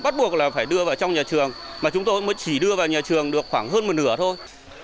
trong nhà trường mà chúng tôi mới chỉ đưa vào nhà trường được khoảng hơn một nửa thôi